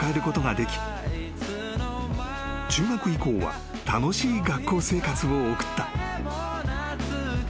［中学以降は楽しい学校生活を送った］